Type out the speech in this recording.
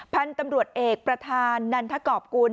พันธุ์ตำรวจเอกประธานนันทกรอบกุล